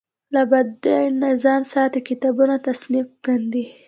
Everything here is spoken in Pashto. له بدۍ نه ځان ساتي کتابونه تصنیف کاندي.